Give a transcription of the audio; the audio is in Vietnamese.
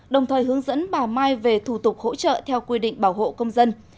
đồng thời hướng dẫn bà mai về thủ tục hỗ trợ theo quy định bảo hộ công dân